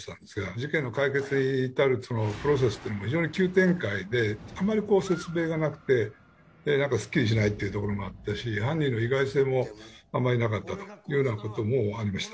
事件の解決へ至るプロセスってのも非常に急展開であまり説明がなくてなんかスッキリしないっていうところもあったし犯人の意外性もあまりなかったっていうようなこともありました。